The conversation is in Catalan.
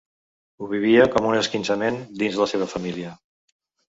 Ho vivia com un esquinçament dins la seva família.